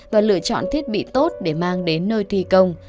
và lựa chọn thiết bị tốt để mang đến nơi thi công